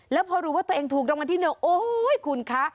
แล้วพอรู้ว่าตัวเองถูกรางวัลที่๑โอ้ยคุณคะ